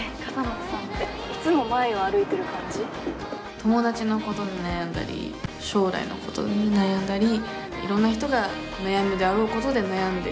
友達のことで悩んだり将来のことで悩んだりいろんな人が悩むであろうことで悩んでいる。